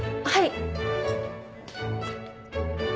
はい。